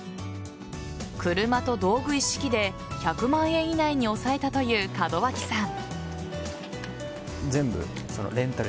車と道具一式で１００万円以内に抑えたという門脇さん。